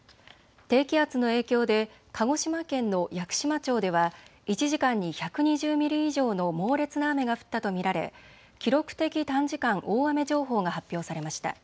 低気圧の影響で鹿児島県の屋久島町では１時間に１２０ミリ以上の猛烈な雨が降ったと見られ記録的短時間大雨情報が発表されました。